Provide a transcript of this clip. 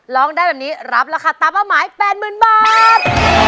ร้องได้แบบนี้รับราคาตามเป้าหมาย๘๐๐๐บาท